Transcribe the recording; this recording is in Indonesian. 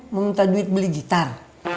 meminta duit beli gitar